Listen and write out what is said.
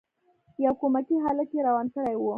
یو کمکی هلک یې روان کړی وو.